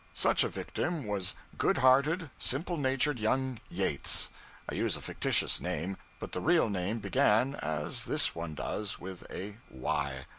Such a victim was good hearted, simple natured young Yates (I use a fictitious name, but the real name began, as this one does, with a Y).